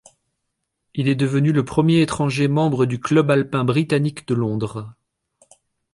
Il est devenu le premier étranger membre du Club alpin britannique de Londres.